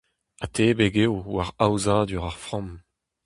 Atebek eo war aozadur ar framm.